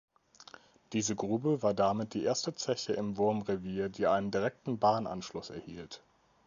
Diese Grube war damit die erste Zeche im Wurmrevier, die einen direkten Bahnanschluss erhielt.